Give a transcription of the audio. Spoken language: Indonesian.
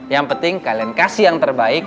yang penting kalian kasih yang terbaik